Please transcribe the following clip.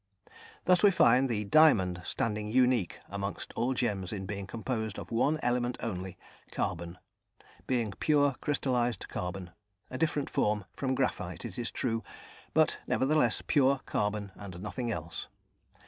Thus we find the diamond standing unique amongst all gems in being composed of one element only carbon being pure crystallised carbon; a different form from graphite, it is true, but, nevertheless, pure carbon and nothing else.